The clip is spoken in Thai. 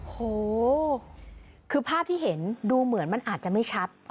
โหคือภาพที่เห็นดูเหมือนมันอาจจะไม่ชัด